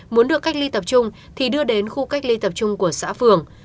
muốn được cách ly tập trung thì đưa đến khu cách ly tập trung của xã phường